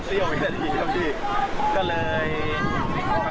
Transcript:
ก็เลยกระสุนใจสู้เสฟน้ำข้างหลัง